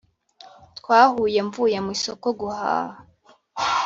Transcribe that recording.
twahuye mvuye mu isoko guhaha